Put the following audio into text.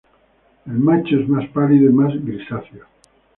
El macho es más pálido y más grisáceo.